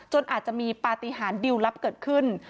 อาจจะมีปฏิหารดิวลลับเกิดขึ้น